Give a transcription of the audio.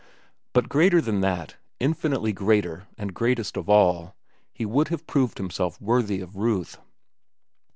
But greater than that, infinitely greater and greatest of all, he would have proved himself worthy of Ruth.